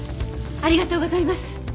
ありがとうございます！